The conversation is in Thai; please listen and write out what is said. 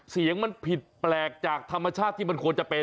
เสียงมันผิดแปลกจากธรรมชาติที่มันควรจะเป็น